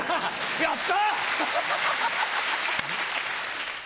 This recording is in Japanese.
やった。